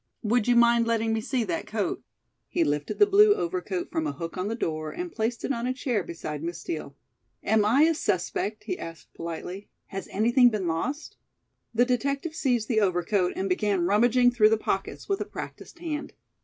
"Would you mind letting me see that coat?" He lifted the blue overcoat from a hook on the door and placed it on a chair beside Miss Steel. "Am I a suspect?" he asked politely. "Has anything been lost?" The detective seized the overcoat and began rummaging through the pockets with a practised hand.